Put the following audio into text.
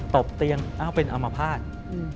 ตบเตียงเป็นอามภาษณ์